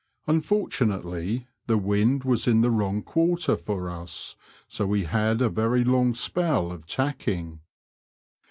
Unfortu nately, the wind was in the wrong quarter for us, so we had a very long spell of tacking.